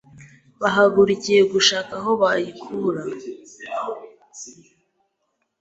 bahagurukiye gushaka aho bayikura